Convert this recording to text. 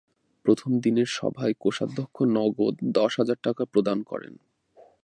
প্রথম দিনের সভায় কোষাধ্যক্ষ নগদ দশ হাজার টাকা প্রদান করেন।